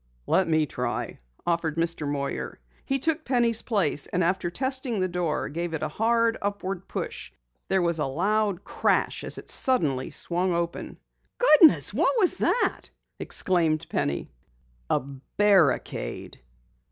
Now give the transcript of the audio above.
"Let me try," offered Mr. Moyer. He took Penny's place, and after testing the door, gave it a hard upward push. There was a loud crash as it suddenly swung open. "Goodness! What was that?" exclaimed Penny. "A barricade.